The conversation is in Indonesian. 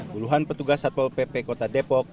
puluhan petugas satpol pp kota depok